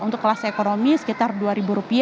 untuk kelas ekonomi sekitar rp dua